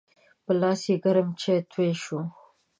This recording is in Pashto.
په لاس یې ګرم چای توی شو.